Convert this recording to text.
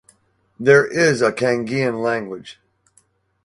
There is a Kangean language.